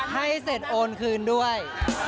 ให้เสร็จโอนคืนด้วย